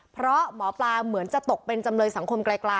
เพราะหมอปลาเหมือนจะตกเป็นจำเลยสังคมไกล